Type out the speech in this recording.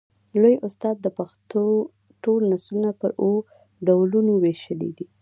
لوى استاد د پښتو ټول نثرونه پر اوو ډولونو وېشلي دي.